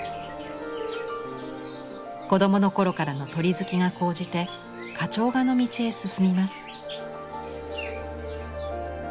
子供の頃からの鳥好きが高じて花鳥画の道へ進みます。